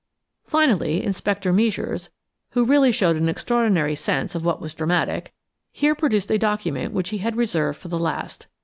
Finally, Inspector Meisures, who really showed an extraordinary sense of what was dramatic, here produced a document which he had reserved for the last.